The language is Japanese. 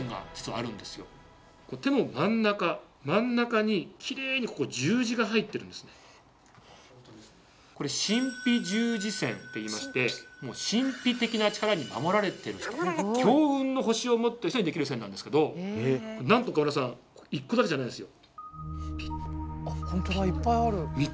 手の真ん中真ん中にこれ「神秘十字線」っていいまして神秘的な力に守られてる人強運の星を持ってる人にできる線なんですけどなんと岡村さん１個だけじゃないですよ。